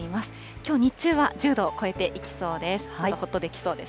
きょう日中は１０度を超えていきそうです。